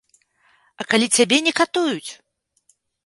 А калі цябе не катуюць?